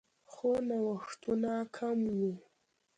خو نوښتونه کم وو